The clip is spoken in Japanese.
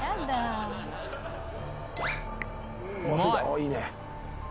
いいね」